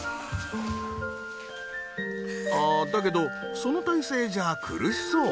ああだけどその体勢じゃ苦しそう。